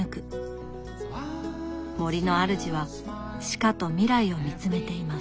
森の主はしかと未来を見つめています。